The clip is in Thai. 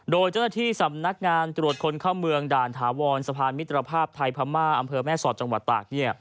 โดยเจ้าหน้าที่สำนักงานตรวจคนเข้าเมืองด่านถาวรสะพานมิตรภาพไทยพม่าอำเภอแม่สอดจังหวัดตาก